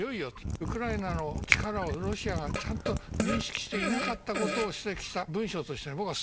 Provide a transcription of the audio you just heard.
ウクライナの力をロシアがちゃんと認識していなかったことを指摘した文章として僕はすごい価値があると思ってる。